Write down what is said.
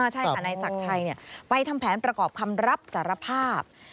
ใช่ค่ะนายศักดิ์ชัยไปทำแผนประกอบคำรับสารภาพ